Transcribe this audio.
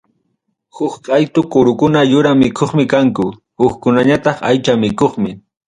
Huk qaytu kurukuna yura mikuqmi kanku, hukkunañataq aycha mikuqmi.